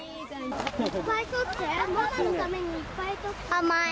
甘い。